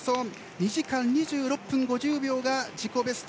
２時間２６分５０秒が自己ベスト。